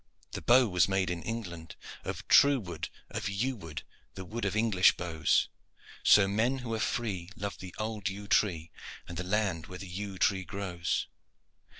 The bow was made in England: Of true wood, of yew wood, The wood of English bows; So men who are free Love the old yew tree And the land where the yew tree grows.